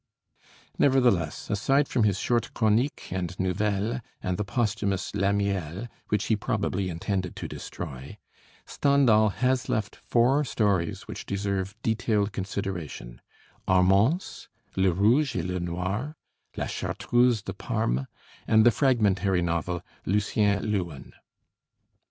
Nevertheless, aside from his short 'Chroniques' and 'Nouvelles,' and the posthumous 'Lamiel' which he probably intended to destroy, Stendhal has left four stories which deserve detailed consideration: 'Armance,' 'Le Rouge et Le Noir,' 'La Chartreuse de Parme,' and the fragmentary novel 'Lucien Leuwen.'